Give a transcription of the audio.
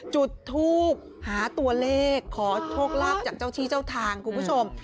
จุดทูปหาตัวเลขขอโชคลาภจากเจ้าที่เจ้าทางคุณผู้ชม